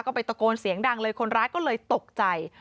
ก็ไปตะโกนเสียงดังเลยคนร้ายก็เลยตกใจ